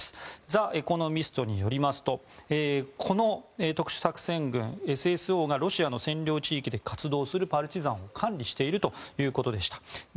ザ・エコノミストによりますとこの特殊作戦軍ＳＳＯがロシアの占領地域で活動するパルチザンを管理しているということでした。